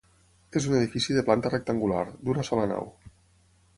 És un edifici de planta rectangular, d'una sola nau.